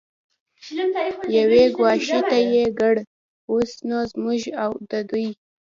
یوې ګوښې ته یې کړ، اوس نو زموږ او د دوی.